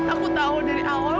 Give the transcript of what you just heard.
aku tau dari awal